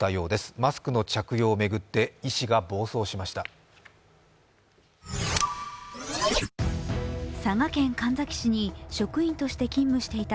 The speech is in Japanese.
マスクの着用を巡って医師が暴走しました。